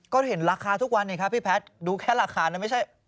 ก็เห็นราคาทุกวันนี่ครับพี่แพทย์ดูแค่ราคานั้นไม่ได้เหรอ